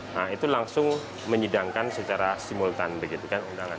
nah itu langsung menyidangkan secara simultan berjadikan undangan